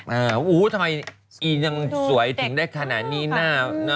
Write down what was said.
โอ้โหทำไมอีนยังสวยถึงได้ขนาดนี้นะ